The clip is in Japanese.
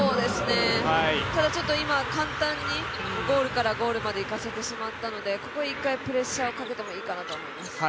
ただちょっと今、簡単にゴールからゴールまで行かせてしまったので、ここで１回プレッシャーをかけてもいいかなと思います。